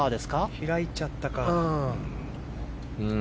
開いちゃったか。